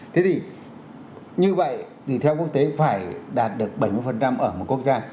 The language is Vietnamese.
thế thì như vậy thì theo quốc tế phải đạt được bảy mươi ở một quốc gia